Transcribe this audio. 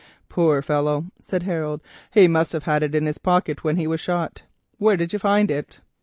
"Poor gentleman," said Harold, "he must have had it in his pocket when he was shot. Where did you find it?"